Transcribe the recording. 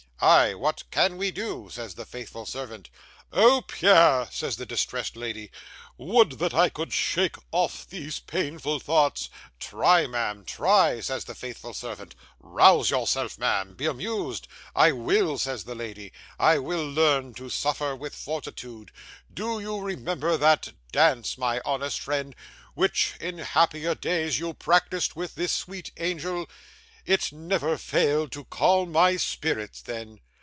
"Ay, what CAN we do?" says the faithful servant. "Oh, Pierre!" says the distressed lady; "would that I could shake off these painful thoughts." "Try, ma'am, try," says the faithful servant; "rouse yourself, ma'am; be amused." "I will," says the lady, "I will learn to suffer with fortitude. Do you remember that dance, my honest friend, which, in happier days, you practised with this sweet angel? It never failed to calm my spirits then.